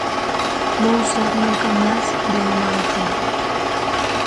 No usar nunca más de una botella".